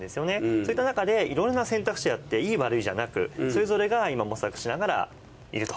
そういった中でいろいろな選択肢あっていい悪いじゃなくそれぞれが今模索しながらいると。